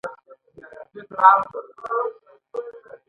د کاغذي پیسو اندازه باید د سرو زرو په اندازه وي